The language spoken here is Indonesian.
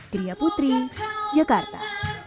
sriya putri jakarta